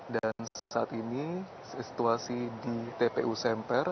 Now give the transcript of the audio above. dan saat ini situasi di tpu semper